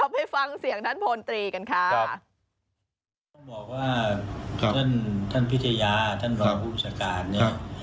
ไม่ใช่เกียร์เฉย